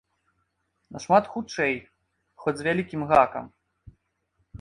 Нашмат хутчэй, хоць з вялікім гакам.